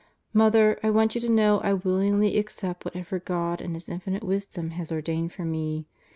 ... Mother, I want you to know I willingly accept whatever God, in His Infinite Wisdom, has ordained for me.